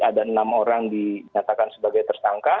ada enam orang dinyatakan sebagai tersangka